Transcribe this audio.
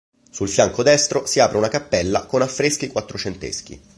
Sul fianco destro si apre una cappella con affreschi quattrocenteschi.